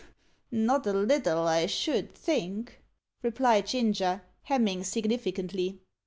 "Not a little, I should think," replied Ginger, hemming significantly.